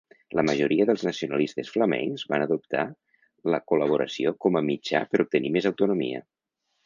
La majoria dels nacionalistes flamencs van adoptar la col·laboració com a mitjà per obtenir més autonomia.